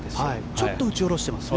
ちょっと打ち下ろしてますね。